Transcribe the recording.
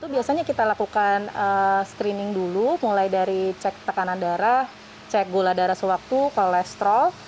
biasanya kita lakukan screening dulu mulai dari cek tekanan darah cek gula darah sewaktu kolesterol